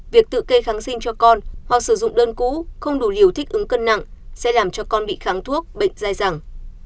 việc tự cây kháng sinh cho con hoặc sử dụng đơn cú không đủ liều thích ứng cân nặng sẽ làm cho con bị kháng thuốc bệnh dài dẳng